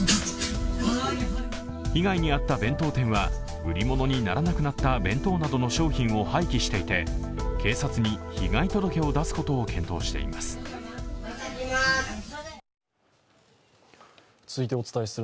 被害に遭った弁当店は売りものにならなくなった弁当などの商品を廃棄していて警察に被害届を出すことを検討しています。